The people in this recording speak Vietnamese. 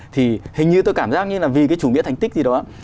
thì hình như tôi cảm giác như là vì cái chủ nghĩa thành tích gì đó